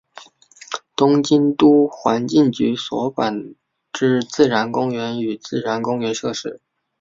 东京都环境局所管之自然公园与自然公园设施。